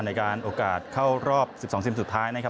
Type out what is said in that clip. ในการโอกาสเข้ารอบ๑๒เซียมสุดท้ายนะครับ